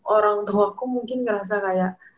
orangtua aku mungkin ngerasa kayak